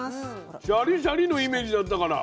シャリシャリのイメージだったから。